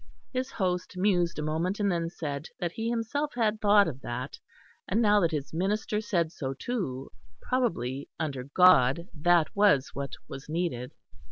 His host mused a moment and then said that he himself had thought of that; and now that his minister said so too, probably, under God, that was what was needed.